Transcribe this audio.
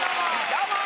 どうも！